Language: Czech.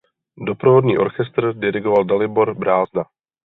Doprovodný orchestr dirigoval Dalibor Brázda.